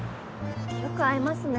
よく会いますね。